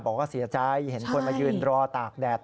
บอกว่าเสียใจเห็นคนมายืนรอตากแดด